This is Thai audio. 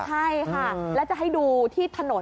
ใช่ค่ะแล้วจะให้ดูที่ถนน